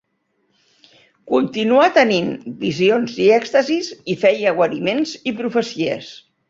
Continuà tenint visions i èxtasis i feia guariments i profecies.